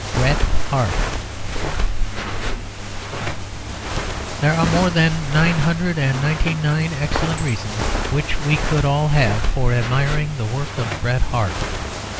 BRET HARTE There are more than nine hundred and ninety nine excellent reasons which we could all have for admiring the work of Bret Harte.